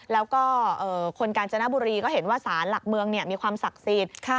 แล้วก็คนกาญจนบุรีก็เห็นว่าสารหลักเมืองมีความศักดิ์สิทธิ์